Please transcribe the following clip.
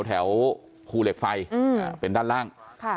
แถวภูเหล็กไฟเป็นด้านล่าง